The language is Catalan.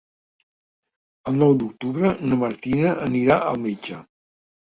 El nou d'octubre na Martina anirà al metge.